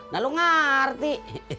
nah lu ngarti